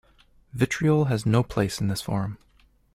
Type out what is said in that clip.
Vitriol has no place in this forum.